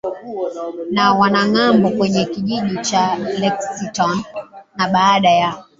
na wanamgambo kwenye kijiji cha Lexington na baada ya